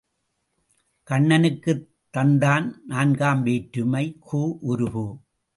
கண்ணனுக்குத் தந்தான் நான்காம் வேற்றுமை கு உருபு.